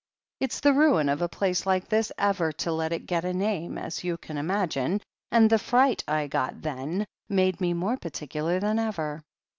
It's the ruin of a place like this ever to let it get a name, as you can imagine, and the fright I got then made me more particular than ever.